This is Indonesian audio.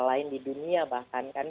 lain di dunia bahkan kan